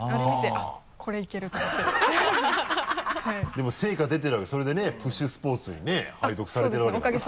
でも成果出てるわけそれでね「ＰＵＳＨスポーツ」にね配属されてるわけだから。